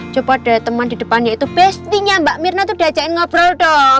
coba ada teman di depannya itu bestinya mbak mirna itu diajakin ngobrol dong